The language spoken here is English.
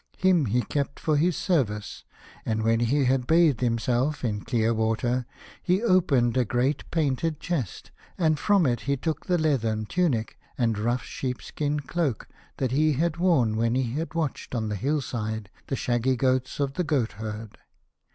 Him he kept for his service, and when he had bathed him self in clear water, he opened a great painted chest, and from it he took the leathern tunic and rough sheepskin cloak that he had worn when he had watched on the hillside the shaggy goats of the goatherd.